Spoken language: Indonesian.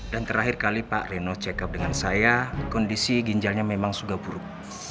dan terakhir kali pak reno check up dengan saya kondisi ginjalnya memang sudah buruk